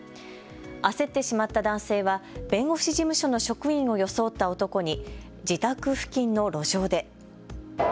焦ってしまった男性は弁護士事務所の職員を装った男に自宅付近の路上で。